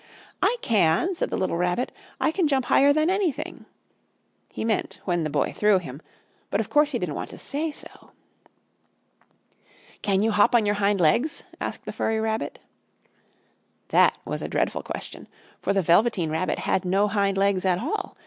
"I can!" said the little Rabbit. "I can jump higher than anything!" He meant when the Boy threw him, but of course he didn't want to say so. "Can you hop on your hind legs?" asked the furry rabbit. That was a dreadful question, for the Velveteen Rabbit had no hind legs at all!